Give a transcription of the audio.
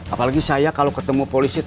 apalagi saya kalau ketemu polisi